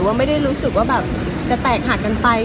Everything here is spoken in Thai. ว่าไม่ได้รู้สึกว่าแบบจะแตกหักกันไป